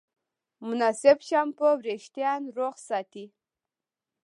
مناسب شامپو وېښتيان روغ ساتي.